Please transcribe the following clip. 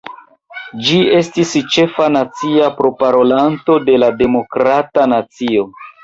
Ĝi estis ĉefa nacia proparolanto de la Demokrata Partio.